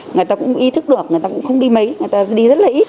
người ta cũng ý thức được người ta cũng không đi mấy người ta đi rất là ít